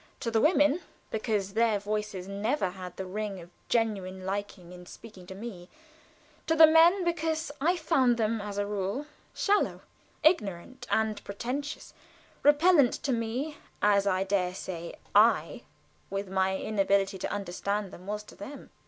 to the women because their voices never had the ring of genuine liking in speaking to me; to the men because I found them as a rule shallow, ignorant, and pretentious; repellent to me, as I dare say I, with my inability to understand them, was to them.